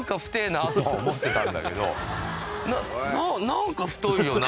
何か太いよな